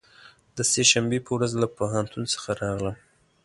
د سه شنبې په ورځ له پوهنتون څخه راغلم.